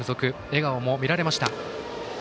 笑顔も見られました。